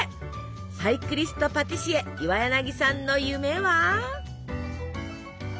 サイクリストパティシエ岩柳さんの夢は？